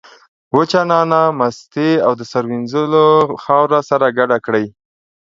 وچه نعناع، مستې او د سر مینځلو خاوره سره ګډ کړئ.